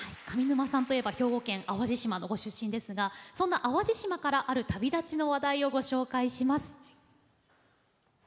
上沼さんといえば兵庫県の淡路島ご出身ですがそんな淡路島からある旅立ちの話題をご紹介します。